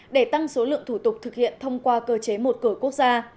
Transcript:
để tăng số lượng thủ tục thực hiện thông qua cơ chế một cửa quốc gia